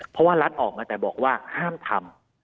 เพราะว่ารัฐออกมาแต่บอกว่าห้ามทำ